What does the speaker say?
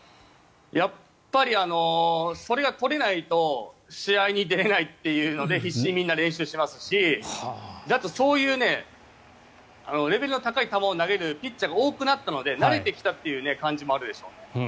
やっぱりそれがとれないと試合に出れないというので必死にみんな練習しますしそういうレベルの高い球を投げるピッチャーが多くなったので慣れてきたという感じもあるでしょう。